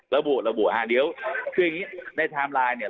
ระบุระบุฮะเดี๋ยวคืออย่างนี้ในไทม์ไลน์เนี่ย